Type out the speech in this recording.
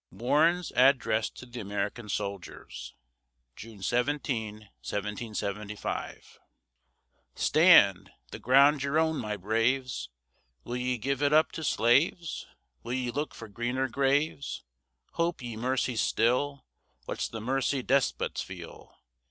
WARREN'S ADDRESS TO THE AMERICAN SOLDIERS [June 17, 1775] Stand! the ground's your own, my braves! Will ye give it up to slaves? Will ye look for greener graves? Hope ye mercy still? What's the mercy despots feel?